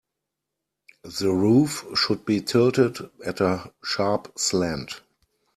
The roof should be tilted at a sharp slant.